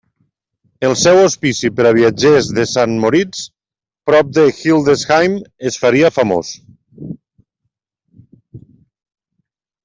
El seu hospici per a viatgers de Sant Moritz, prop de Hildesheim es faria famós.